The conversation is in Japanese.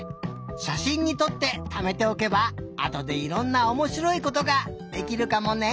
しゃしんにとってためておけばあとでいろんなおもしろいことができるかもね。